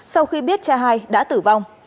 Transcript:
sau khi biết cha hai đã tử vong